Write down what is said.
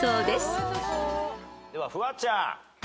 ではフワちゃん。